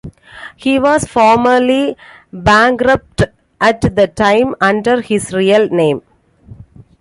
He was formally bankrupt at the time under his real name.